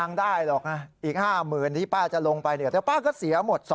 นั่นสิ